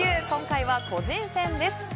今回は個人戦です。